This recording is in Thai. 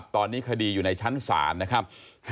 ตอนนี้คดีอยู่ในชั้นศาลนะครับ